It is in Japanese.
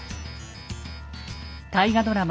大河ドラマ